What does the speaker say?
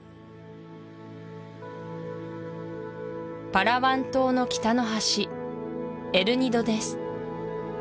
パラワン島の北の端エルニドです